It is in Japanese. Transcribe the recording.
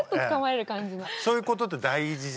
そういうことって大事じゃない？